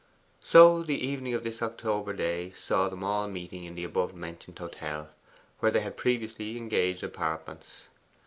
So the evening of this October day saw them all meeting at the above mentioned hotel, where they had previously engaged apartments.